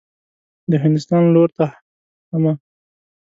د هندوستان لور ته حمه.